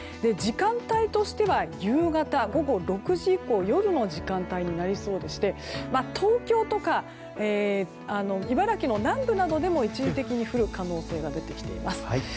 時間帯としては夕方午後６時以降夜の時間帯になりそうでして東京とか茨城の南部などでも一時的に降る可能性が出てきています。